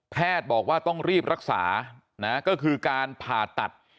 บอกว่าต้องรีบรักษานะก็คือการผ่าตัด